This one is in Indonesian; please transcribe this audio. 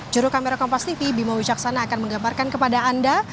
juru kamera kompas tv bima wijaksana akan menggambarkan kepada anda